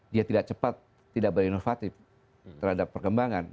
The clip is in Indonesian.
dia tidak cepat tidak berinovatif terhadap perkembangan